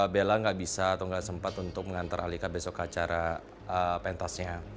bella gak bisa atau nggak sempat untuk mengantar alika besok ke acara pentasnya